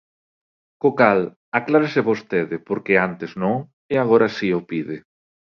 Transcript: Co cal, aclárese vostede por que antes non e agora si o pide.